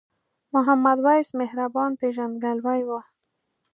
محمد وېس مهربان پیژندګلوي وه.